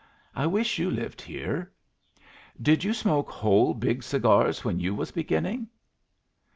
I wish you lived here. Did you smoke whole big cigars when you was beginning?"